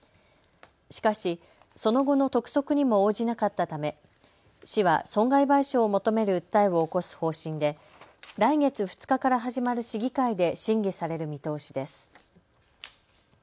しかし、その後の督促にも応じなかったため市は損害賠償を求める訴えを起こす方針で来月２日から始まる市議会で審議される見通しです。